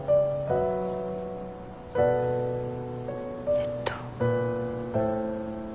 えっと。